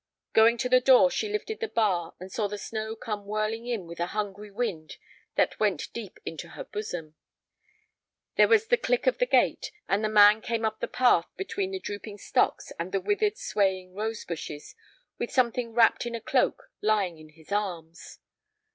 Going to the door, she lifted the bar and saw the snow come whirling in with a hungry wind that went deep into her bosom. There was the click of the gate, and a man came up the path between the drooping stocks and the withered, swaying rose bushes with something wrapped in a cloak lying in his arms.